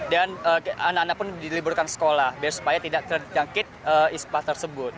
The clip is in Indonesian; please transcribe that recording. dan anak anak pun diliburkan sekolah supaya tidak terjangkit ispa tersebut